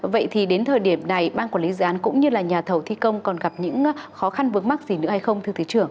vậy thì đến thời điểm này ban quản lý dự án cũng như là nhà thầu thi công còn gặp những khó khăn vướng mắc gì nữa hay không thưa thứ trưởng